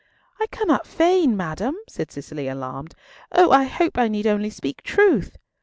"I cannot feign, madam," said Cicely, alarmed. "Oh, I hope I need only speak truth!"